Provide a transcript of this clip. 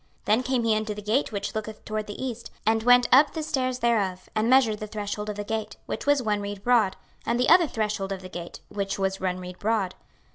26:040:006 Then came he unto the gate which looketh toward the east, and went up the stairs thereof, and measured the threshold of the gate, which was one reed broad; and the other threshold of the gate, which was one reed broad.